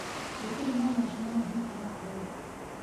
د کلي نور ماشومان یې هم خراب کړل.